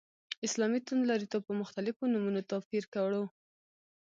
اسلامي توندلاریتوب په مختلفو نومونو توپير کړو.